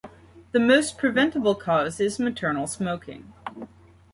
The most preventable cause is maternal smoking.